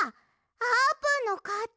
あーぷんのかち！